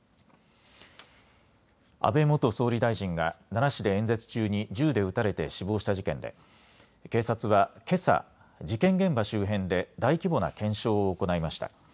安倍元総理大臣が奈良市で演説中に銃で撃たれて死亡した事件で警察はけさ事件現場周辺で大規模な検証を行いました。